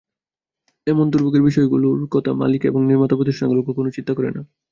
এমন দুর্ভোগের বিষয়গুলোর কথা মালিক এবং নির্মাতাপ্রতিষ্ঠানগুলো কখনোই চিন্তা করে না।